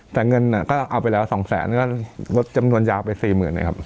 แต่เงินก็เอาไปแล้ว๒แสนก็ลดจำนวนยาวไป๔๐๐๐เลยครับ